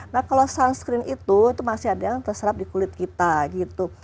nah kalau sunscreen itu itu masih ada yang terserap di kulit kita gitu